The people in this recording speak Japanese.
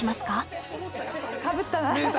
かぶったな！